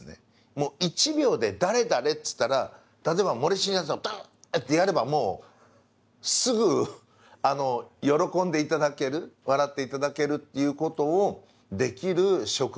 もう１秒で誰々っつったら例えば森進一をドンってやればもうすぐ喜んでいただける笑っていただけるっていうことをできる職業なんで。